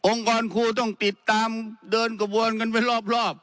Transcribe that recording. ครูต้องติดตามเดินกระบวนกันไปรอบ